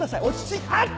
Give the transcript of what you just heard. あっ！